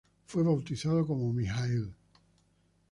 Fue bautizado como Mijaíl.